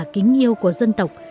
kính yêu của dân tộc